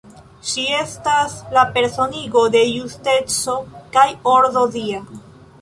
Ŝi estas la personigo de justeco kaj ordo dia.